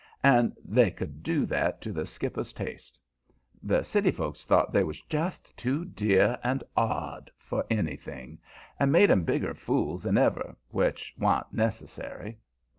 and they could do that to the skipper's taste. The city folks thought they was "just too dear and odd for anything," and made 'em bigger fools than ever, which wa'n't necessary.